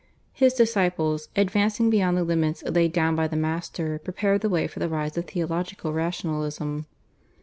His disciples, advancing beyond the limits laid down by the master, prepared the way for the rise of theological rationalism.